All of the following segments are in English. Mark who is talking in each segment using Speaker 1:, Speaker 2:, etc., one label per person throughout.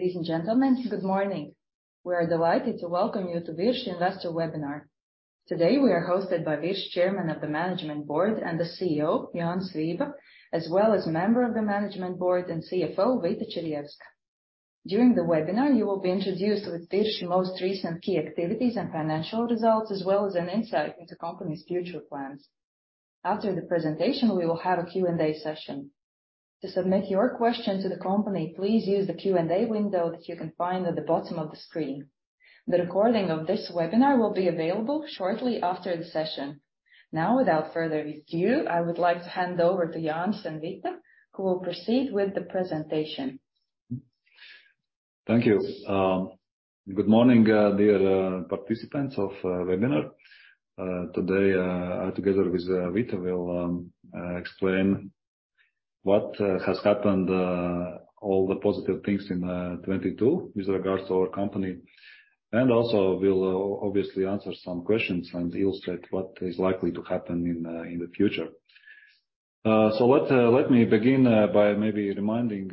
Speaker 1: Ladies and gentlemen, good morning. We are delighted to welcome you to VIRŠI Investor Webinar. Today we are hosted by VIRŠI Chairman of the Management Board and the CEO, Jānis Vība, as well as Member of the Management Board and CFO, Vita Čirjevska. During the webinar, you will be introduced with VIRŠI most recent key activities and financial results, as well as an insight into company's future plans. After the presentation, we will have a Q&A session. To submit your question to the company, please use the Q&A window that you can find at the bottom of the screen. The recording of this webinar will be available shortly after the session. Now, without further ado, I would like to hand over to Jānis and Vita, who will proceed with the presentation.
Speaker 2: Thank you. Good morning, dear participants of webinar. Today, together with Vita, we'll explain what has happened, all the positive things in 2022 with regards to our company. Also we'll obviously answer some questions and illustrate what is likely to happen in the future. Let me begin by maybe reminding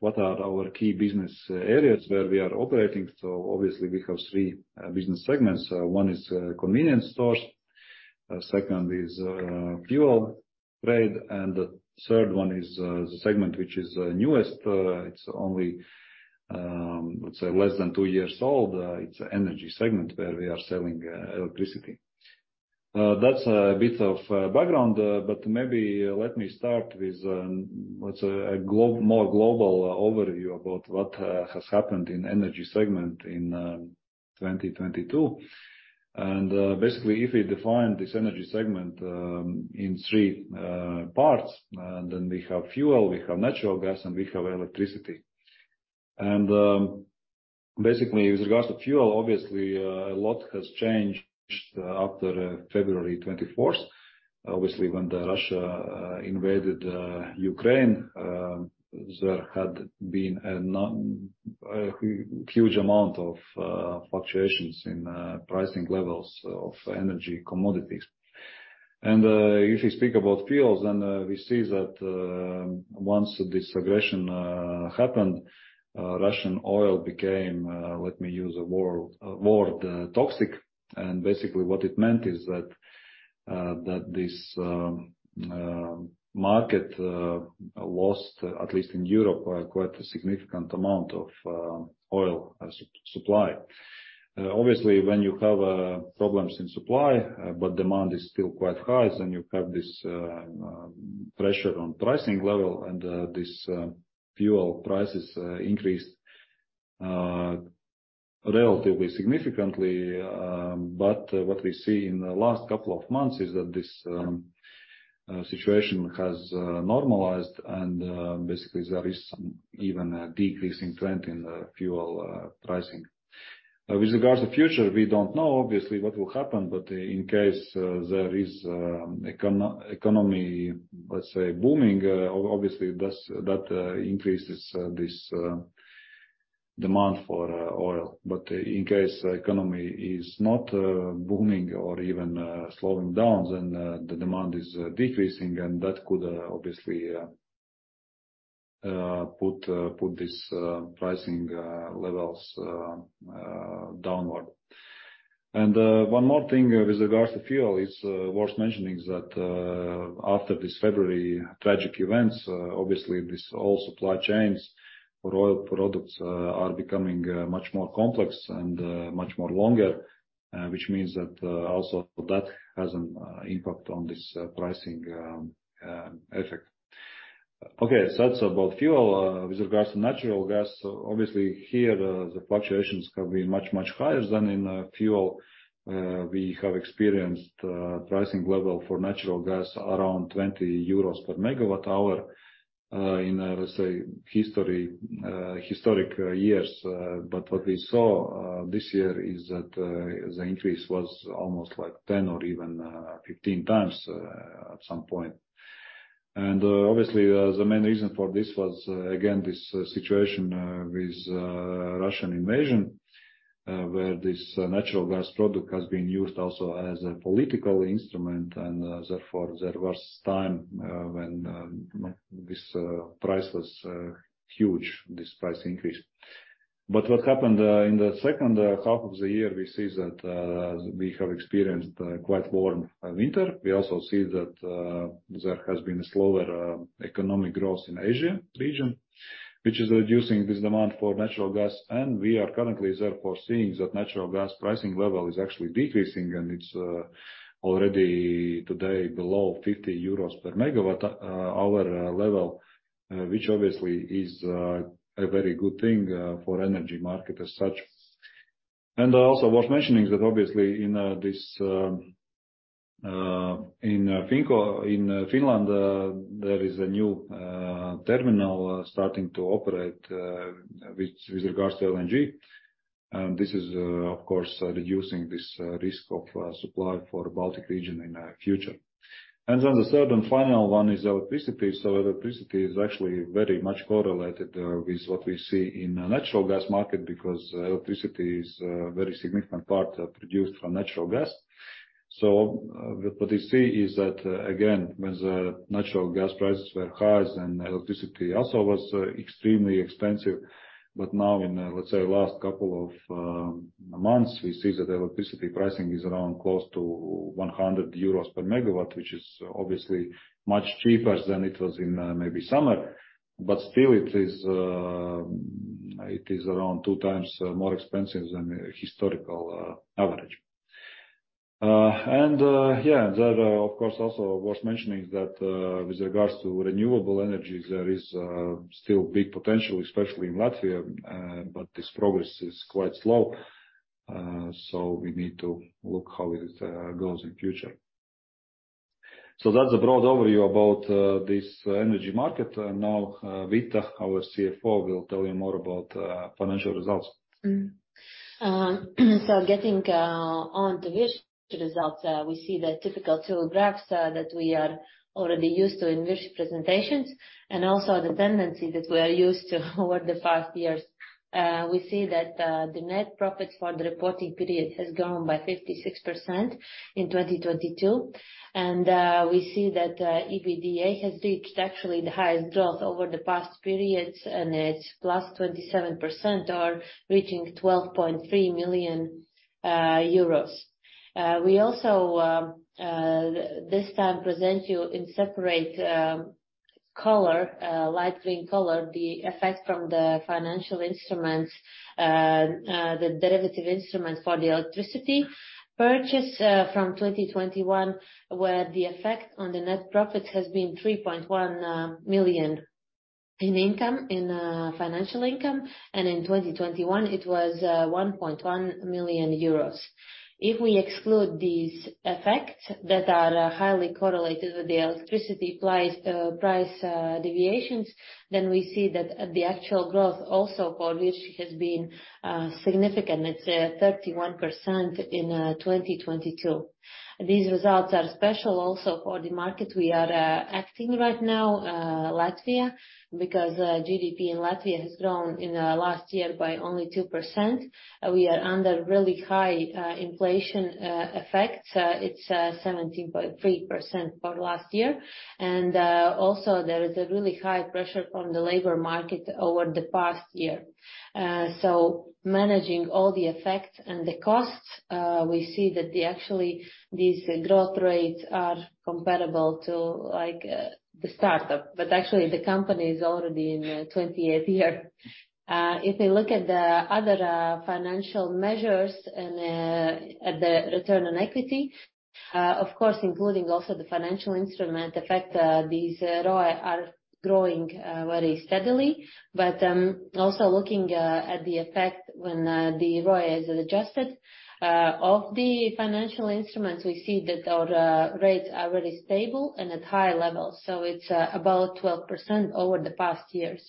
Speaker 2: what are our key business areas where we are operating. Obviously we have three business segments. One is convenience stores, second is fuel trade, and the third one is the segment which is newest. It's only, let's say less than two years old. It's energy segment where we are selling electricity. That's a bit of background, but maybe let me start with what's a more global overview about what has happened in energy segment in 2022. Basically, if we define this energy segment in three parts, then we have fuel, we have natural gas, and we have electricity. Basically, with regards to fuel, obviously, a lot has changed after February 24th. Obviously, when Russia invaded Ukraine, there had been a huge amount of fluctuations in pricing levels of energy commodities. If you speak about fuels, then we see that once this aggression happened, Russian oil became, let me use a word, toxic. Basically what it meant is that this market lost, at least in Europe, quite a significant amount of oil supply. Obviously, when you have problems in supply but demand is still quite high, then you have this pressure on pricing level, and these fuel prices increased relatively significantly. What we see in the last couple of months is that this situation has normalized, and basically there is even a decreasing trend in the fuel pricing. With regards to future, we don't know obviously what will happen, but in case there is economy, let's say, booming, obviously that increases this demand for oil. In case the economy is not booming or even slowing down, then the demand is decreasing, and that could obviously put these pricing levels downward. One more thing with regards to fuel is worth mentioning is that after these February tragic events, obviously this all supply chains for oil products are becoming much more complex and much more longer, which means that also that has an impact on this pricing effect. Okay, that's about fuel. With regards to natural gas, obviously here the fluctuations have been much, much higher than in fuel. We have experienced pricing level for natural gas around 20 euros per MWh in, let's say, history, historic years. What we saw this year is that the increase was almost like 10 or even 15 times at some point. Obviously the main reason for this was again, this situation with Russian invasion, where this natural gas product has been used also as a political instrument. Therefore, there was time when this price was huge, this price increased. What happened in the second half of the year, we see that we have experienced quite warm winter. We also see that there has been a slower economic growth in Asia region, which is reducing this demand for natural gas. We are currently therefore seeing that natural gas pricing level is actually decreasing, and it's already today below 50 euros per MWh level, which obviously is a very good thing for energy market as such. Also worth mentioning is that obviously in this in Finland there is a new terminal starting to operate with regards to LNG. This is of course, reducing this risk of supply for Baltic region in future. The third and final one is electricity. Electricity is actually very much correlated with what we see in natural gas market because electricity is a very significant part produced from natural gas. What we see is that again, when the natural gas prices were highs and electricity also was extremely expensive. Now in, let's say, last couple of months, we see that the electricity pricing is around close to 100 euros per MW, which is obviously much cheaper than it was in maybe summer. Still it is around two times more expensive than the historical average. Yeah, that of course also worth mentioning is that with regards to renewable energies, there is still big potential, especially in Latvia, but this progress is quite slow. We need to look how it goes in future. That's a broad overview about, this energy market. Vita, our CFO, will tell you more about, financial results.
Speaker 3: Getting on to VIRŠI results, we see the typical two graphs that we are already used to in VIRŠI presentations, and also the tendency that we are used to over the past years. We see that the net profits for the reporting period has grown by 56% in 2022, and we see that EBITDA has reached actually the highest growth over the past periods, and it's +27% or reaching 12.3 million euros. We also this time present you in separate color, light green color, the effect from the financial instruments, the derivative instruments for the electricity purchase from 2021, where the effect on the net profits has been 3.1 million in income, in financial income, and in 2021, it was 1.1 million euros. If we exclude these effects that are highly correlated with the electricity price deviations, then we see that the actual growth also for VIRŠI has been significant. It's 31% in 2022. These results are special also for the market we are acting right now, Latvia, because GDP in Latvia has grown in last year by only 2%. We are under really high inflation effect. It's 17.3% for last year. Also there is a really high pressure from the labor market over the past year. Managing all the effects and the costs, we see that actually, these growth rates are comparable to, like, the startup. Actually, the company is already in the 28th year. If we look at the other financial measures and at the return on equity, of course, including also the financial instrument effect, these ROI are growing very steadily. Also looking at the effect when the ROI is adjusted of the financial instruments, we see that our rates are really stable and at high levels, so it's above 12% over the past years.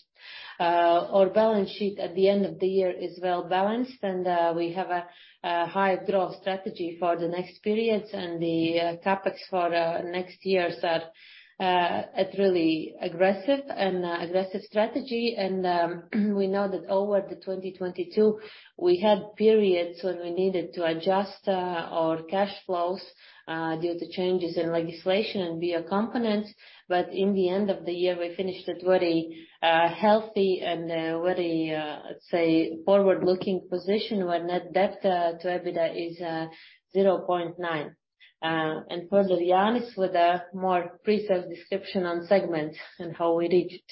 Speaker 3: Our balance sheet at the end of the year is well-balanced, we have a high growth strategy for the next periods. The CapEx for the next years are at really aggressive strategy. We know that over the 2022, we had periods when we needed to adjust our cash flows due to changes in legislation and bio-components. In the end of the year, we finished at very healthy and very, let's say, forward-looking position where net debt to EBITDA is 0.9. Further, Jānis with a more precise description on segments and how we reached.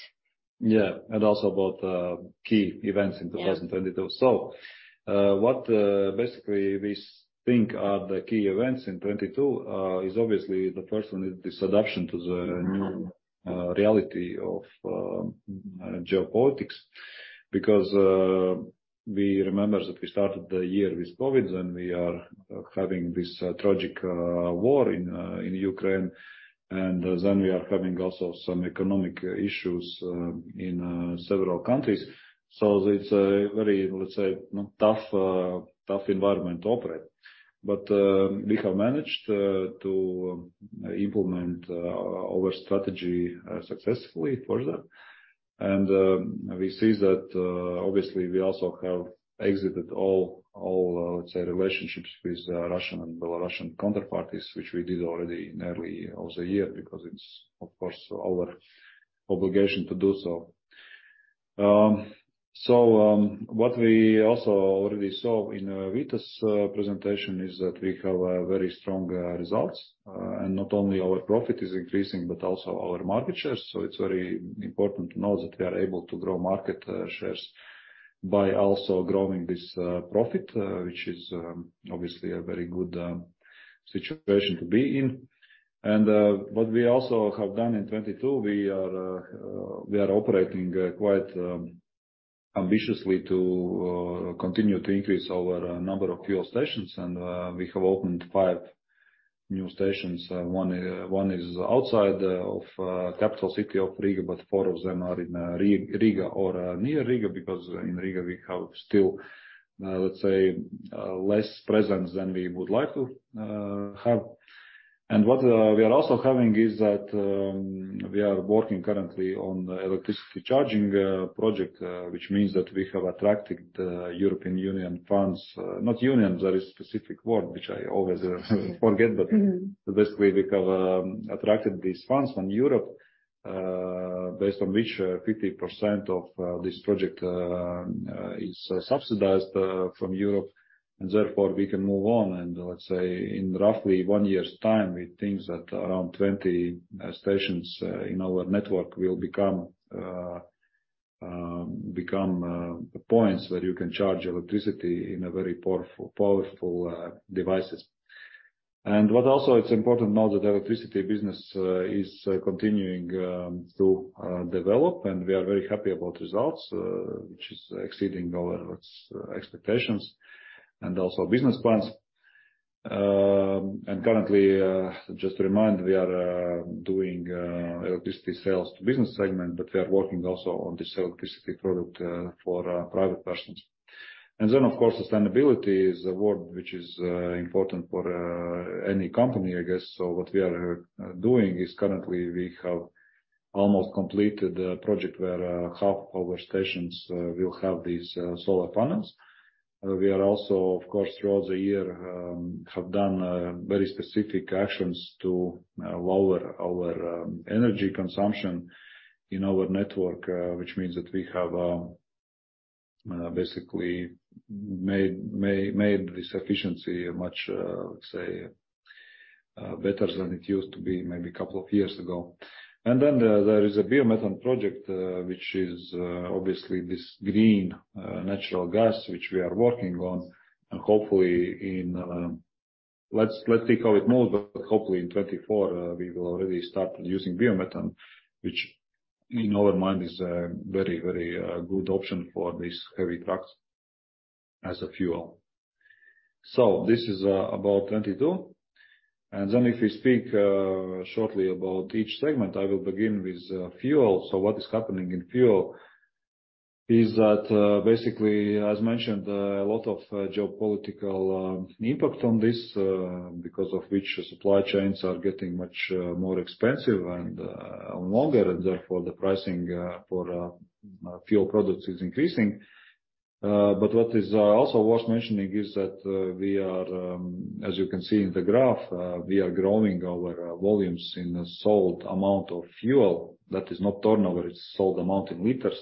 Speaker 2: Yeah. Also about key events in 2022.
Speaker 3: Yeah.
Speaker 2: What basically we think are the key events in 2022 is obviously the first one is this adaption to the new reality of geopolitics. We remember that we started the year with COVID, then we are having this tragic war in Ukraine, and then we are having also some economic issues in several countries. It's a very, let's say, tough tough environment to operate. We have managed to implement our strategy successfully further. We see that obviously we also have exited all, let's say, relationships with Russian and Belarusian counterparties, which we did already in early of the year because it's, of course, our obligation to do so. What we also already saw in Vita's presentation is that we have very strong results. Not only our profit is increasing, but also our market shares. It's very important to know that we are able to grow market shares by also growing this profit, which is obviously a very good situation to be in. What we also have done in 2022, we are operating quite ambitiously to continue to increase our number of fuel stations. We have opened five new stations. One is outside of capital city of Riga, but four of them are in Riga or near Riga, because in Riga we have still, let's say, less presence than we would like to have. What we are also having is that we are working currently on electricity charging project, which means that we have attracted the European Union funds. Not union, there is specific word which I always forget.
Speaker 3: Mm-hmm.
Speaker 2: We have attracted these funds from Europe, based on which 50% of this project is subsidized from Europe, and therefore we can move on. Let's say in roughly one year's time, we think that around 20 stations in our network will become points where you can charge electricity in a very powerful devices. What also it's important now that electricity business is continuing to develop, and we are very happy about results which is exceeding our expectations and also business plans. Currently, just to remind, we are doing electricity sales to business segment, but we are working also on this electricity product for private persons. Of course, sustainability is a word which is important for any company, I guess. What we are doing is currently we have almost completed a project where half our stations will have these solar panels. We are also, of course, throughout the year, have done very specific actions to lower our energy consumption in our network, which means that we have made this efficiency much, let's say, better than it used to be maybe a couple of years ago. There is a biomethane project, which is obviously this green natural gas which we are working on. Hopefully in, let's see how it moves, but hopefully in 2024, we will already start using biomethane, which in our mind is a very, very good option for these heavy trucks as a fuel. This is about 2022. If we speak shortly about each segment, I will begin with fuel. What is happening in fuel is that, basically, as mentioned, a lot of geopolitical impact on this, because of which supply chains are getting much more expensive and longer, and therefore the pricing for fuel products is increasing. What is also worth mentioning is that, we are, as you can see in the graph, we are growing our volumes in the sold amount of fuel. That is not turnover, it's sold amount in liters.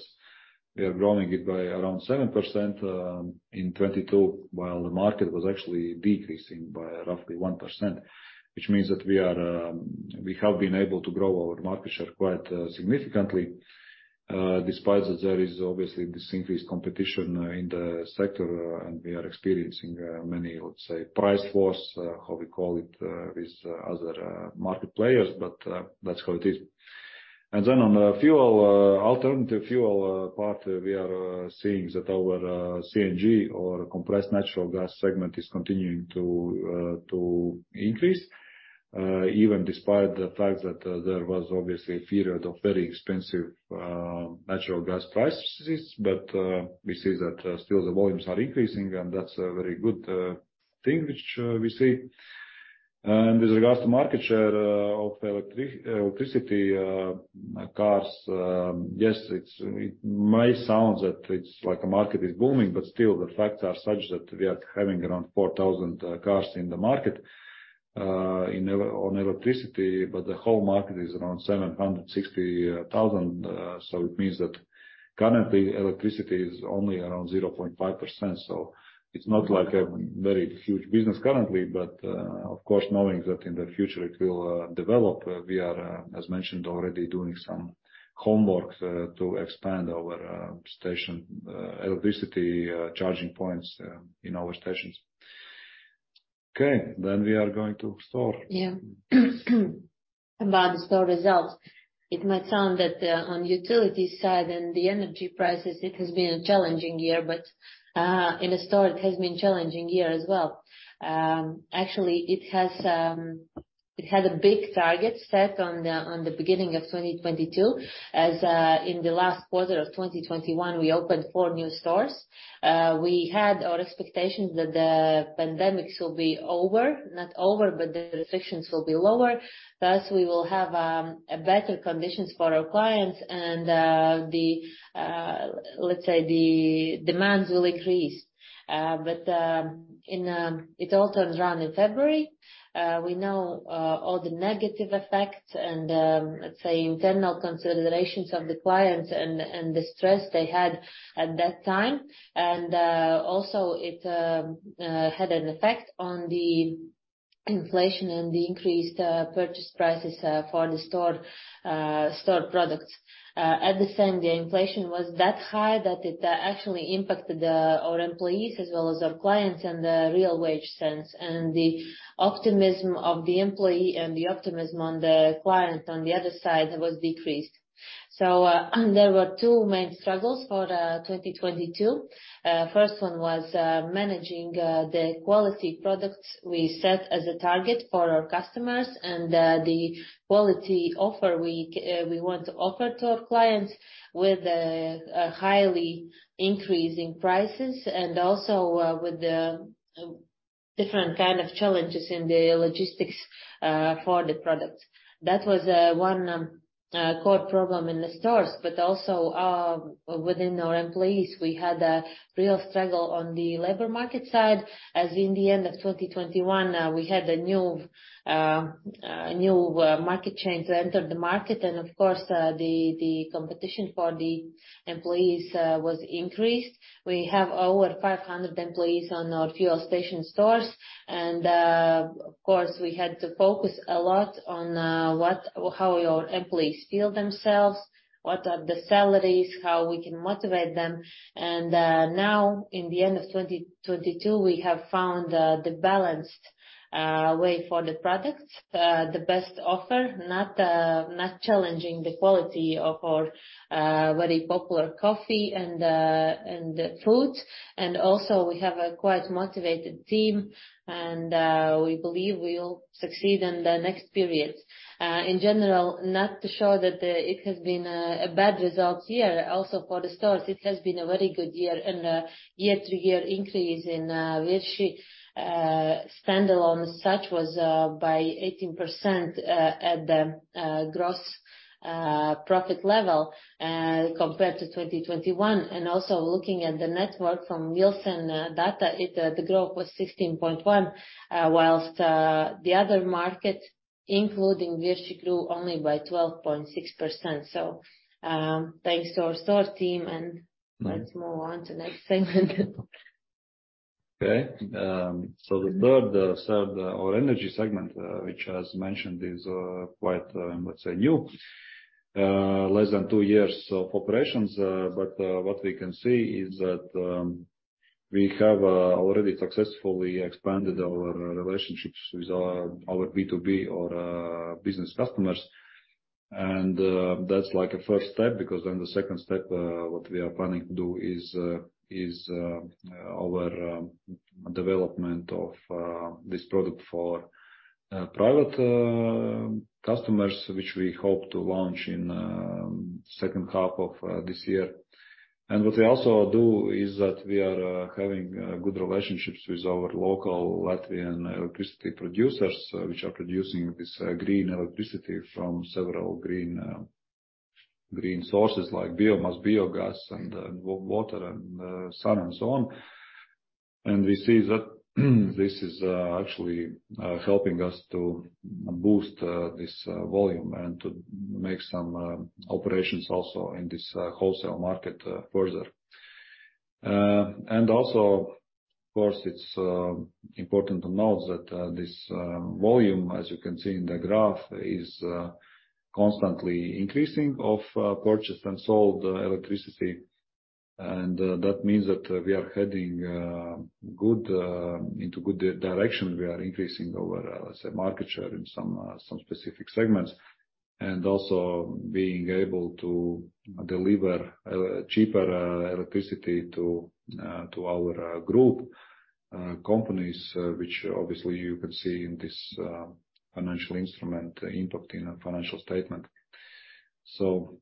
Speaker 2: We are growing it by around 7% in 2022, while the market was actually decreasing by roughly 1%. We are we have been able to grow our market share quite significantly despite that there is obviously this increased competition in the sector, and we are experiencing many, let's say, price wars, how we call it, with other market players, but that's how it is. On the fuel, alternative fuel part, we are seeing that our CNG or compressed natural gas segment is continuing to increase even despite the fact that there was obviously a period of very expensive natural gas prices. We see that still the volumes are increasing, and that's a very good thing which we see. With regards to market share of electricity cars, yes, it may sound that it's like a market is booming. Still, the facts are such that we are having around 4,000 cars in the market on electricity, the whole market is around 760,000. It means that currently electricity is only around 0.5%. It's not like a very huge business currently. Of course, knowing that in the future it will develop, we are as mentioned already, doing some homework to expand our station electricity charging points in our stations. Okay, we are going to store.
Speaker 3: Yeah. About the store results. It might sound that, on utility side and the energy prices, it has been a challenging year, but in the store it has been challenging year as well. Actually, it has, it had a big target set on the, on the beginning of 2022. As in the last quarter of 2021, we opened four new stores. We had our expectations that the pandemic will be over. Not over, but the restrictions will be lower, thus we will have a better conditions for our clients and the, let's say, the demands will increase. It all turns around in February. We know all the negative effects and, let's say internal considerations of the clients and the stress they had at that time. Also it had an effect on the inflation and the increased purchase prices for the store store products. At the same day, inflation was that high that it actually impacted our employees as well as our clients in the real wage sense. The optimism of the employee and the optimism on the client on the other side was decreased. There were two main struggles for 2022. First one was managing the quality products we set as a target for our customers and the quality offer we want to offer to our clients with a highly increasing prices and also with the different kind of challenges in the logistics for the product. That was one core problem in the stores, but also within our employees. We had a real struggle on the labor market side, as in the end of 2021, we had a new market chain to enter the market, and of course, the competition for the employees was increased. We have over 500 employees on our fuel station stores. Of course, we had to focus a lot on what or how your employees feel themselves, what are the salaries, how we can motivate them. Now, in the end of 2022, we have found the balanced way for the products. The best offer, not challenging the quality of our very popular coffee and foods. We have a quite motivated team, and we believe we'll succeed in the next period. In general, not to show that it has been a bad result year. Also for the stores, it has been a very good year. Year-to-year increase in VIRŠI standalone as such was by 18% at the gross profit level compared to 2021. Looking at the network from Wilson data, it the growth was 16.1%, whilst the other market, including VIRŠI, grew only by 12.6%. Thanks to our store team, and let's move on to next segment.
Speaker 2: The third, our energy segment, which as mentioned is quite, let's say new, less than two years of operations. What we can see is that we have already successfully expanded our relationships with our B2B or business customers. That's like a first step because then the second step, what we are planning to do is our development of this product for private customers, which we hope to launch in second half of this year. What we also do is that we are having good relationships with our local Latvian electricity producers, which are producing this green electricity from several green sources like biomass, biogas and water and sun and so on. We see that this is actually helping us to boost this volume and to make some operations also in this wholesale market further. Also, of course, it's important to note that this volume, as you can see in the graph, is constantly increasing of purchased and sold electricity. That means that we are heading good into good direction. We are increasing our, let's say, market share in some specific segments, and also being able to deliver cheaper electricity to our Group companies, which obviously you can see in this financial instrument impact in our financial statement.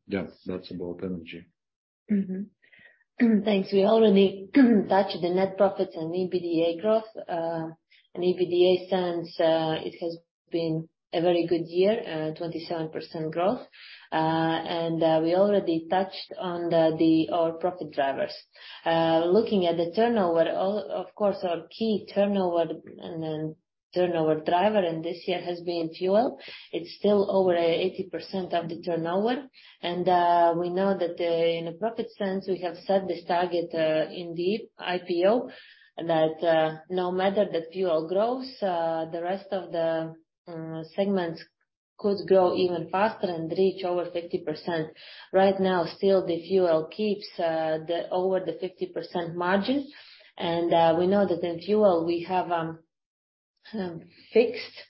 Speaker 2: Yeah, that's about energy.
Speaker 3: Thanks. We already touched the net profits and EBITDA growth. EBITDA since it has been a very good year, 27% growth. We already touched on our profit drivers. Looking at the turnover, of course, our key turnover and then turnover driver, this year has been fuel. It's still over 80% of the turnover. We know that in a profit sense, we have set this target in the IPO, that no matter the fuel growth, the rest of the segments could grow even faster and reach over 50%. Right now, still the fuel keeps the over the 50% margins. We know that in fuel we have fixed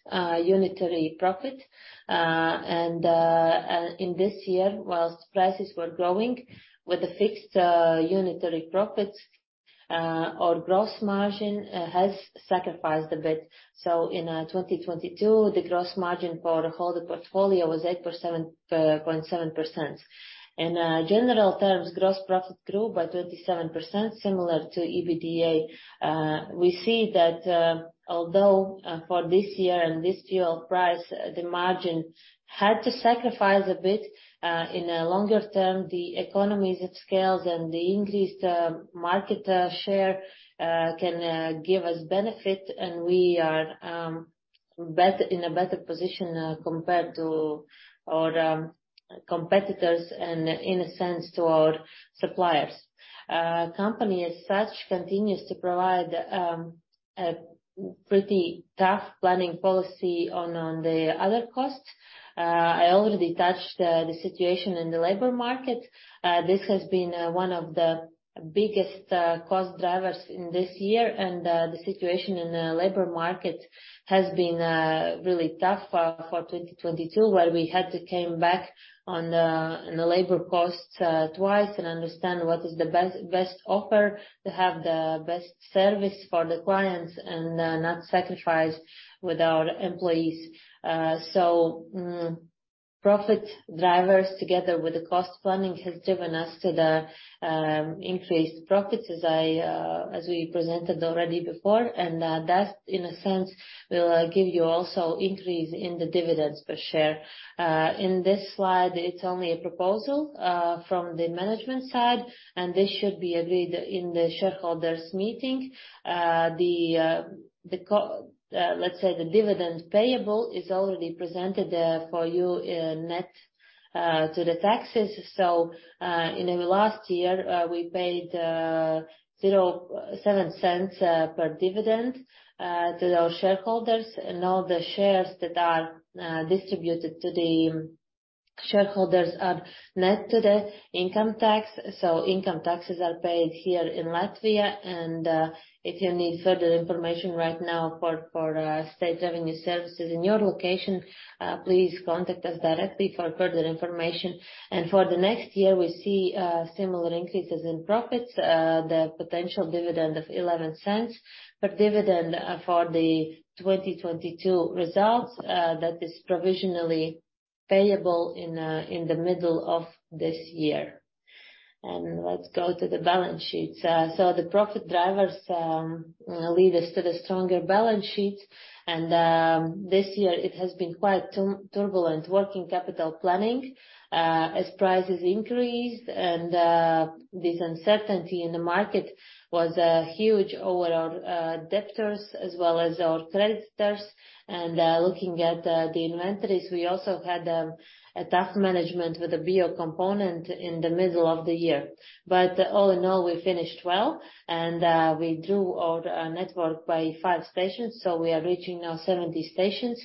Speaker 3: unitary profit. In this year, whilst prices were growing with a fixed unitary profit, our gross margin has sacrificed a bit. In 2022, the gross margin for the whole portfolio was 8.7%. In general terms, gross profit grew by 37%, similar to EBITDA. We see that, although for this year and this fuel price, the margin had to sacrifice a bit. In a longer term, the economies of scales and the increased market share can give us benefit, and we are in a better position compared to our competitors and in a sense to our suppliers. Company as such continues to provide a pretty tough planning policy on the other costs. I already touched the situation in the labor market. This has been one of the biggest cost drivers in this year. The situation in the labor market has been really tough for 2022, where we had to come back on the labor costs twice and understand what is the best offer to have the best service for the clients and not sacrifice with our employees. So, Profit drivers together with the cost planning has driven us to the increased profits as I as we presented already before. That, in a sense, will give you also increase in the dividends per share. In this slide, it's only a proposal from the management side, and this should be agreed in the shareholders' meeting. Let's say the dividends payable is already presented for you net to the taxes. In the last year, we paid 0.07 per dividend to our shareholders. All the shares that are distributed to the shareholders are net to the income tax. So income taxes are paid here in Latvia, and if you need further information right now for state revenue services in your location, please contact us directly for further information. For the next year, we see similar increases in profits. The potential dividend of 0.11 per dividend for the 2022 results that is provisionally payable in the middle of this year. Let's go to the balance sheets. The profit drivers lead us to the stronger balance sheets. This year it has been quite turbulent working capital planning, as prices increased, and this uncertainty in the market was huge over our debtors as well as our creditors. Looking at the inventories, we also had a task management with a bio-component in the middle of the year. All in all, we finished well, we grew our network by five stations, we are reaching now 70 stations.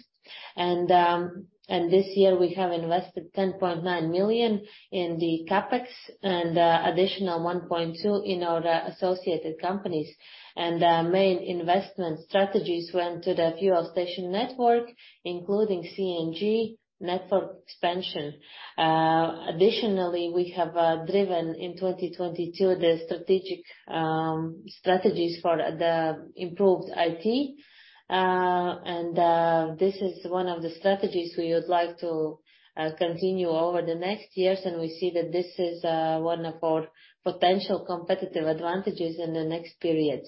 Speaker 3: This year we have invested 10.9 million in the CapEx and additional 1.2 million in our associated companies. Main investment strategies went to the fuel station network, including CNG network expansion. Additionally, we have driven in 2022 the strategic strategies for the improved IT. This is one of the strategies we would like to continue over the next years, and we see that this is one of our potential competitive advantages in the next period.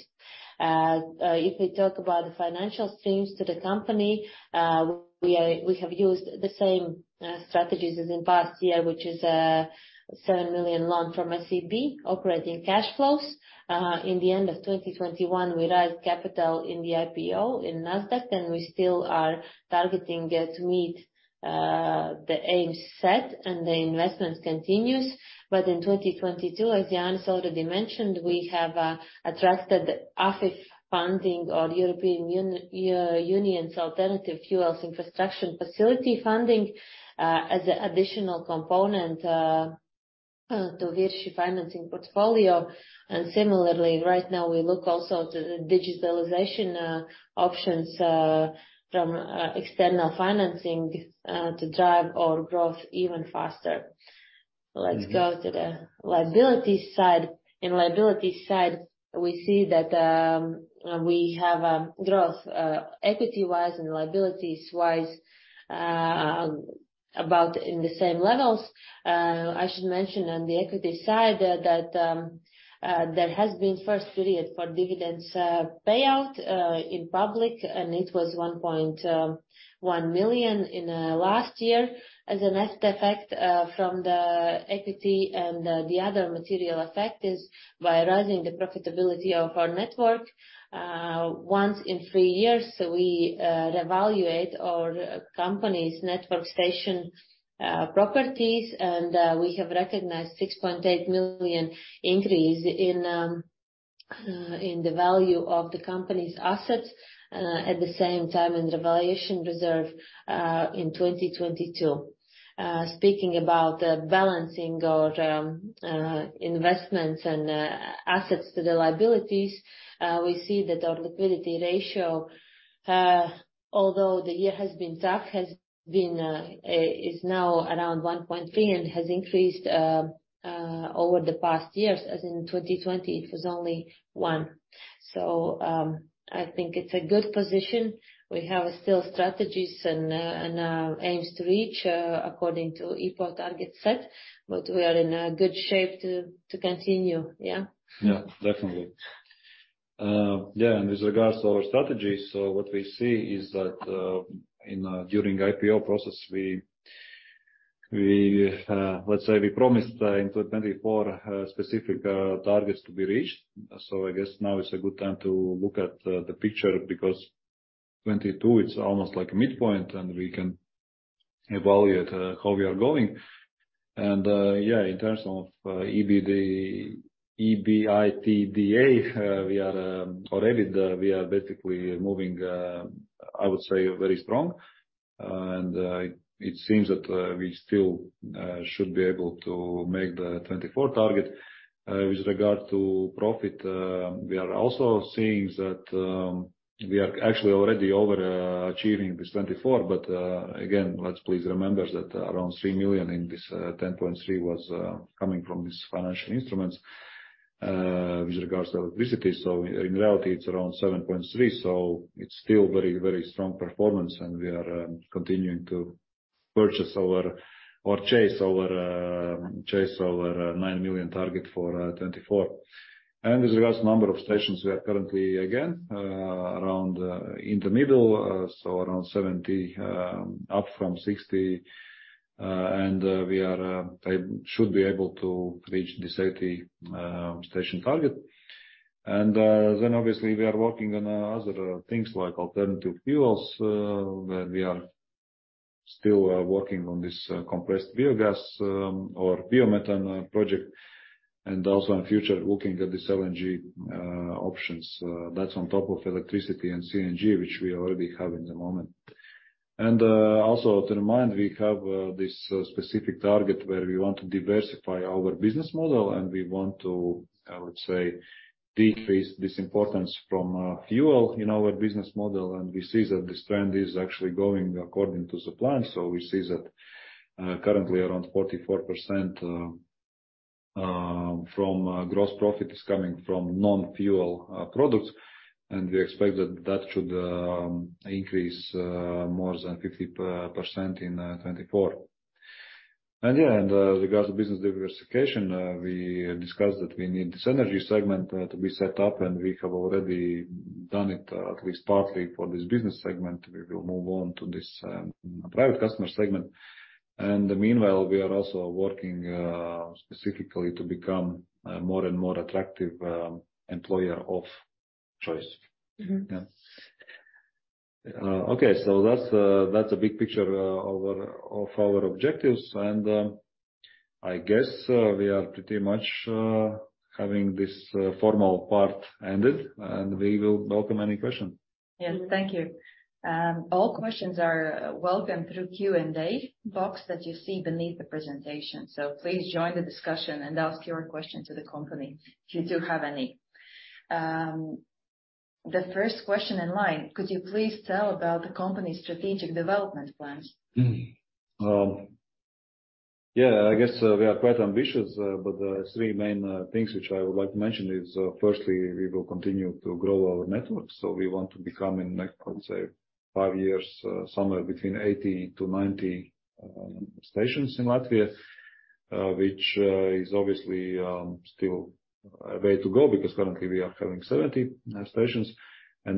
Speaker 3: If we talk about the financial streams to the company, we have used the same strategies as in past year, which is 7 million loan from SEB, operating cash flows. In the end of 2021, we raised capital in the IPO in Nasdaq, and we still are targeting it to meet the aims set, and the investments continues. In 2022, as Jānis already mentioned, we have attracted AFIF funding or European Union's Alternative Fuels Infrastructure Facility funding as additional component to VIRŠI financing portfolio. Similarly, right now we look also to the digitalization options from external financing to drive our growth even faster. Let's go to the liability side. Liability side, we see that we have growth equity-wise and liabilities-wise about in the same levels. I should mention on the equity side that there has been first period for dividends payout in public, and it was 1.1 million last year as a net effect from the equity. The other material effect is by raising the profitability of our network. Once in three years, we revaluate our company's network station properties, and we have recognized 6.8 million increase in the value of the company's assets at the same time in the valuation reserve in 2022. Speaking about the balancing our investments and assets to the liabilities, we see that our liquidity ratio, although the year has been tough, is now around 1.3 and has increased over the past years, as in 2020 it was only 1. I think it's a good position. We have still strategies and aims to reach according to IPO target set. We are in a good shape to continue. Yeah.
Speaker 2: Yeah, definitely. Yeah, with regards to our strategy, what we see is that during IPO process, we, let's say we promised in 2024, specific targets to be reached. I guess now is a good time to look at the picture because 2022, it's almost like a midpoint. We can evaluate how we are going. Yeah, in terms of EBITDA, we are basically moving, I would say very strong. It seems that we still should be able to make the 2024 target. With regard to profit, we are also seeing that we are actually already overachieving this 2024. Again, let's please remember that around 3 million in this 10.3 was coming from these financial instruments. With regards to electricity. In reality it's around 7.3. It's still very, very strong performance, and we are continuing to chase our 9 million target for 2024. With regards to number of stations, we are currently again around in the middle, so around 70, up from 60. And we are should be able to reach this 80 station target. Obviously we are working on other things like alternative fuels, where we are still working on this compressed biogas or biomethane project, and also in future, looking at these LNG options, that's on top of electricity and CNG, which we already have in the moment. Also to remind we have this specific target where we want to diversify our business model, and we want to, I would say, decrease this importance from fuel in our business model, and we see that this trend is actually going according to the plan. We see that currently around 44% from gross profit is coming from non-fuel products, and we expect that that should increase more than 50% in 2024. Regards to business diversification, we discussed that we need this energy segment to be set up, and we have already done it, at least partly for this business segment. We will move on to this private customer segment. Meanwhile, we are also working specifically to become more and more attractive employer of choice.
Speaker 3: Mm-hmm.
Speaker 2: Yeah. Okay, that's a, that's a big picture, of our objectives, and, I guess, we are pretty much, having this, formal part ended, and we will welcome any question.
Speaker 1: Yes. Thank you. All questions are welcome through Q&A box that you see beneath the presentation. Please join the discussion and ask your question to the company if you do have any. The first question in line: Could you please tell about the company's strategic development plans?
Speaker 2: Yeah, I guess we are quite ambitious, but the three main things which I would like to mention is, firstly, we will continue to grow our network. We want to become in next, I would say five years, somewhere between 80-90 stations in Latvia, which is obviously still a way to go because currently we are having 70 stations.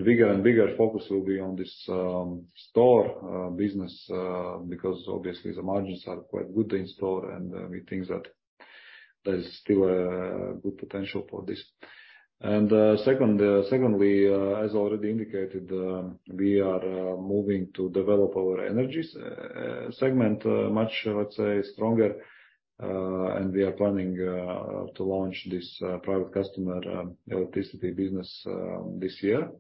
Speaker 2: Bigger and bigger focus will be on this store business, because obviously the margins are quite good in store, and we think that there's still good potential for this. Secondly, as already indicated, we are moving to develop our energies segment much, let's say, stronger. We are planning to launch this private customer electricity business this year.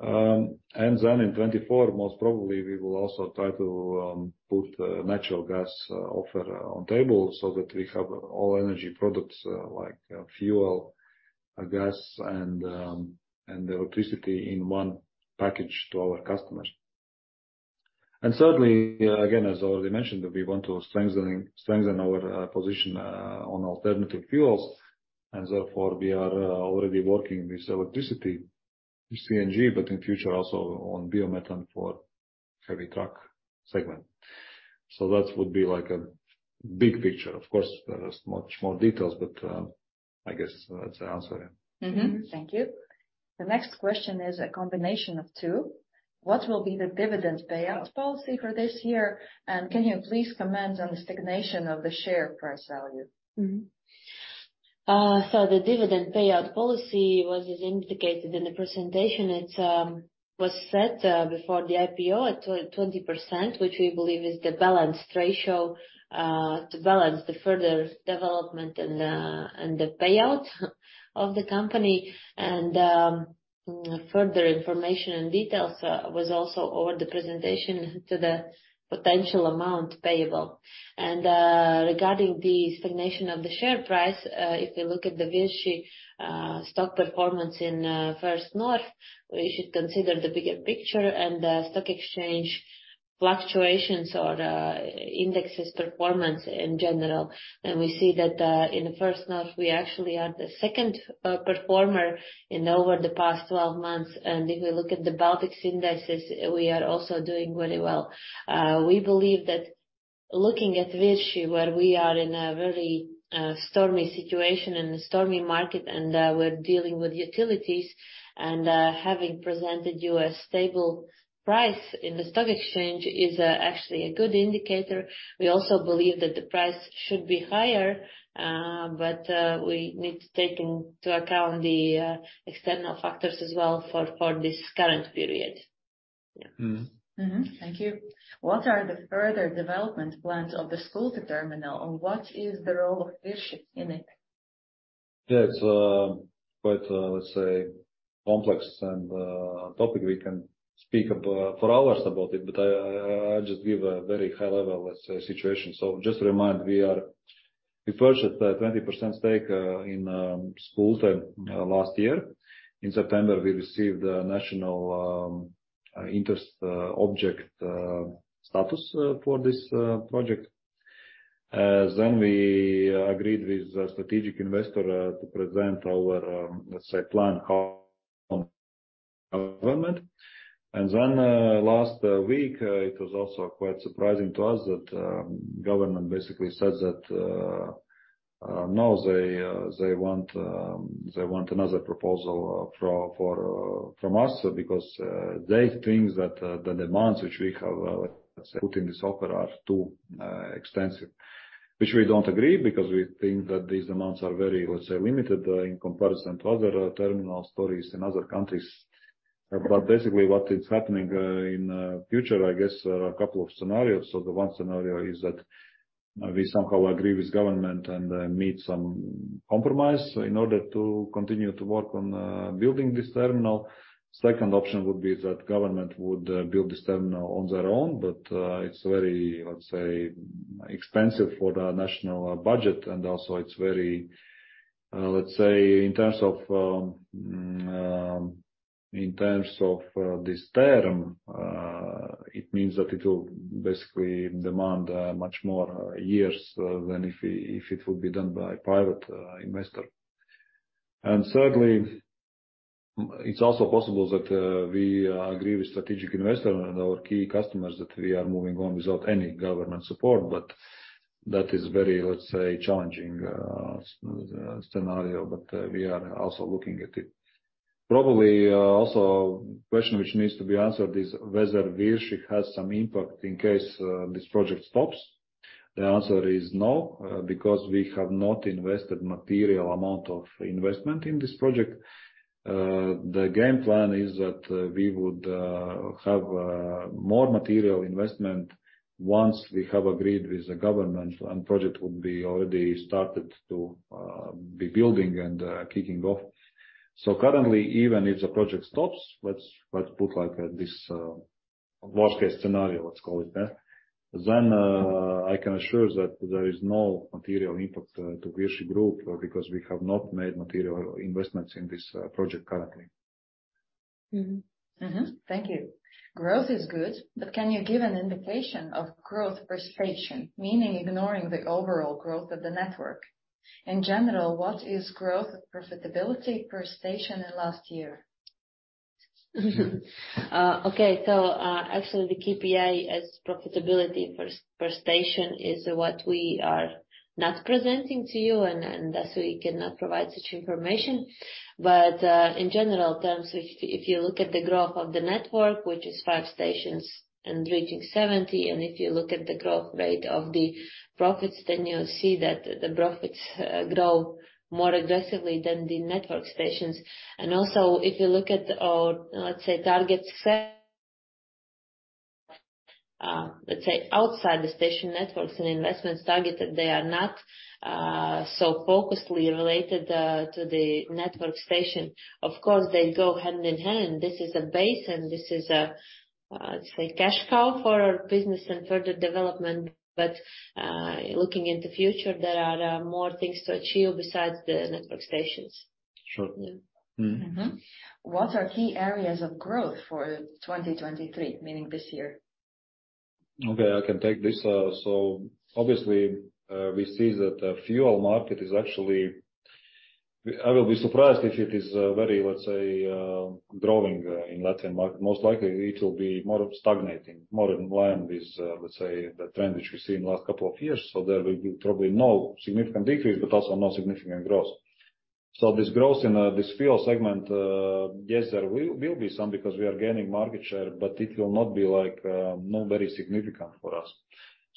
Speaker 2: In 2024, most probably, we will also try to put natural gas offer on table so that we have all energy products like fuel, gas and electricity in one package to our customers. Certainly, again, as already mentioned, we want to strengthen our position on alternative fuels, and therefore we are already working with electricity, CNG, but in future also on biomethane for heavy truck segment. That would be like a big picture. Of course, there is much more details, but I guess that's the answer, yeah.
Speaker 1: Mm-hmm. Thank you. The next question is a combination of two. What will be the dividend payout policy for this year? Can you please comment on the stagnation of the share price value?
Speaker 3: The dividend payout policy was as indicated in the presentation. It was set before the IPO at 20%, which we believe is the balanced ratio to balance the further development and the payout of the company. Further information and details was also over the presentation to the potential amount payable. Regarding the stagnation of the share price, if we look at the VIRŠI stock performance in First North, we should consider the bigger picture and the stock exchange fluctuations or indexes performance in general. We see that in First North, we actually are the second performer in over the past 12 months. If we look at the Baltics indexes, we are also doing very well. We believe that looking at VIRŠI, where we are in a very stormy situation, in a stormy market, we're dealing with utilities, having presented you a stable price in the stock exchange is actually a good indicator. We also believe that the price should be higher, we need to take into account the external factors as well for this current period.
Speaker 2: Mm-hmm.
Speaker 1: Thank you. What are the further development plans of the Skulte Terminal, and what is the role of VIRŠI in it?
Speaker 2: Yeah. It's quite, let's say, complex and topic we can speak for hours about it, but I just give a very high level, let's say, situation. Just to remind, we purchased a 20% stake in Skulte last year. In September, we received a national object status for this project. We agreed with a strategic investor to present our, let's say, plan government. Last week, it was also quite surprising to us that government basically says that now they they want another proposal for from us because they think that the demands which we have, let's say, put in this offer are too extensive. We don't agree, because we think that these demands are very, let's say, limited in comparison to other terminal stories in other countries. Basically, what is happening in future, I guess, there are a couple scenarios. The one scenario is that we somehow agree with government and then meet some compromise in order to continue to work on building this terminal. Second option would be that government would build this terminal on their own, but it's very, let's say, expensive for the national budget. Also it's very, let's say, in terms of this term, it means that it will basically demand much more years than if it will be done by private investor. Thirdly, it's also possible that we agree with strategic investor and our key customers that we are moving on without any government support. That is very, let's say, challenging scenario. We are also looking at it. Probably also question which needs to be answered is whether VIRŠI has some impact in case this project stops. The answer is no, because we have not invested material amount of investment in this project. The game plan is that we would have more material investment once we have agreed with the government, and project would be already started to be building and kicking off. Currently, even if the project stops, let's put like this worst case scenario, let's call it that. I can assure that there is no material impact to VIRŠI Group because we have not made material investments in this project currently.
Speaker 1: Thank you. Growth is good. Can you give an indication of growth per station, meaning ignoring the overall growth of the network? In general, what is growth of profitability per station in last year?
Speaker 3: Okay. Actually, the KPI as profitability per station is what we are not presenting to you and so we cannot provide such information. In general terms, if you look at the growth of the network, which is five stations and reaching 70, and if you look at the growth rate of the profits, then you'll see that the profits grow more aggressively than the network stations. Also, if you look at our, let's say, targets, let's say, outside the station networks and investments targeted, they are not so focusedly related to the network station. Of course, they go hand in hand. This is a base and this is a, let's say cash cow for our business and further development. Looking in the future, there are more things to achieve besides the network stations.
Speaker 2: Sure.
Speaker 3: Yeah.
Speaker 1: What are key areas of growth for 2023, meaning this year?
Speaker 2: Okay, I can take this. Obviously, we see that the fuel market is actually, I will be surprised if it is very growing in Latvian market. Most likely it will be more stagnating, more in line with the trend which we see in last couple of years. There will be probably no significant decrease, but also no significant growth. This growth in this fuel segment, yes, there will be some because we are gaining market share, but it will not be like not very significant for us.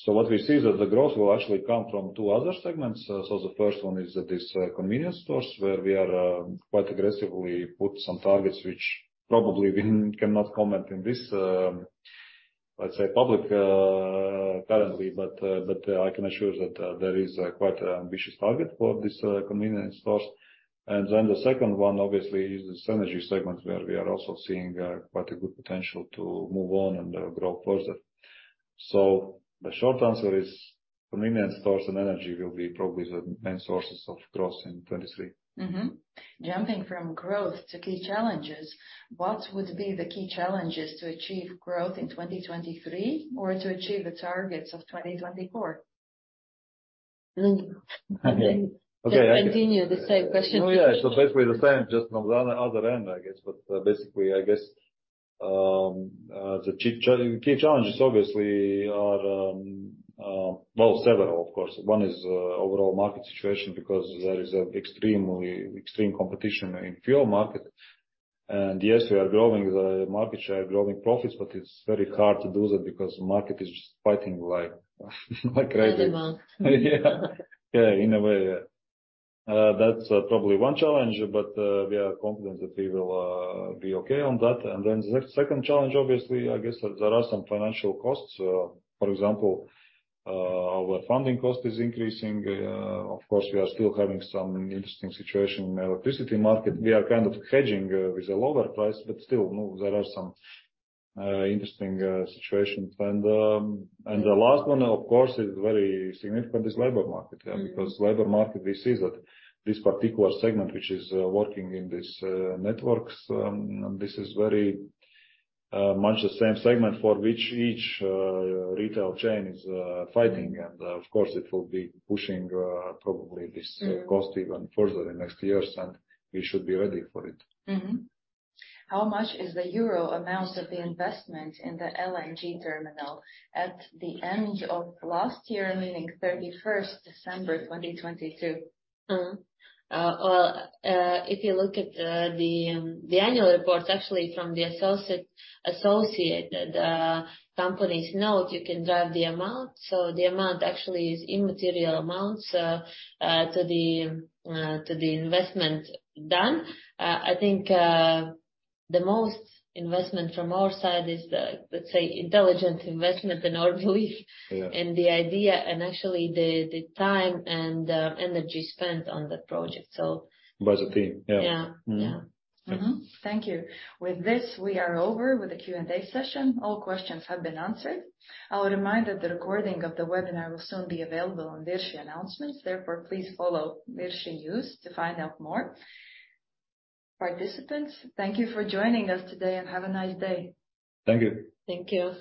Speaker 2: What we see that the growth will actually come from two other segments. The first one is this convenience stores, where we are quite aggressively put some targets which probably we cannot comment in this public currently. I can assure that there is a quite ambitious target for this convenience stores. The second one, obviously, is this energy segment where we are also seeing quite a good potential to move on and grow further. The short answer is convenience stores and energy will be probably the main sources of growth in 2023.
Speaker 1: Mm-hmm. Jumping from growth to key challenges, what would be the key challenges to achieve growth in 2023 or to achieve the targets of 2024?
Speaker 2: Okay.
Speaker 3: Continue the same question.
Speaker 2: Basically the same, just from the other end, I guess. Basically, I guess, the key challenges obviously are. Well, several of course. One is overall market situation because there is an extreme competition in fuel market. Yes, we are growing the market share, growing profits, but it's very hard to do that because market is fighting like crazy. Yeah. Yeah. In a way, yeah. That's probably one challenge, but we are confident that we will be okay on that. The second challenge, obviously, I guess that there are some financial costs. For example, our funding cost is increasing. Of course, we are still having some interesting situation in electricity market. We are kind of hedging with a lower price, but still, you know, there are some interesting situations. The last one, of course, is very significant, is labor market, yeah. Because labor market, we see that this particular segment which is working in this networks, this is very much the same segment for which each retail chain is fighting. Of course, it will be pushing, probably this cost even further in next years, and we should be ready for it.
Speaker 1: Mm-hmm. How much is the Euro amount of the investment in the LNG terminal at the end of last year, meaning 31st December 2022?
Speaker 3: If you look at the annual report, actually from the associated companies' note, you can drive the amount. The amount actually is immaterial amounts to the investment done. I think the most investment from our side is the, let's say, intelligent investment in our belief.
Speaker 2: Yeah.
Speaker 3: The idea, and actually the time and energy spent on the project.
Speaker 2: By the team.
Speaker 3: Yeah.
Speaker 2: Yeah.
Speaker 3: Yeah.
Speaker 1: Thank you. With this, we are over with the Q&A session. All questions have been answered. I will remind that the recording of the webinar will soon be available on VIRŠI announcements. Please follow VIRŠI news to find out more. Participants, thank you for joining us today, and have a nice day.
Speaker 2: Thank you.
Speaker 3: Thank you.